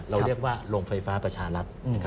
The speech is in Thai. เราเรียกว่าโรงไฟฟ้าประชารัฐ